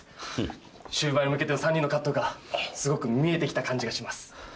終盤に向けての３人の葛藤がすごく見えてきた感じがします。